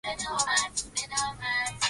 pamoja na wadudu wengi walioko katika mazingira